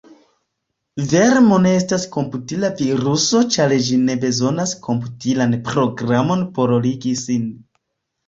Vermo ne estas komputila viruso ĉar ĝi ne bezonas komputilan programon por ligi sin.